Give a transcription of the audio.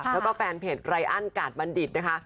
แล้วก็แฟนเพจไรอันกาดบัณฑิตนะคะ